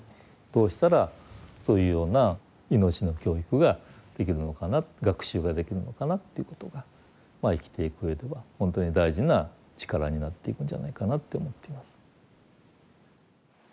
どうしたらそういうような命の教育ができるのかな学習ができるのかなっていうことが生きていくうえでは本当に大事な力になっていくんじゃないかなって思っています。